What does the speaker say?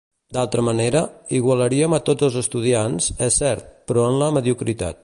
D'altra manera, igualaríem a tots els estudiants, és cert, però en la mediocritat.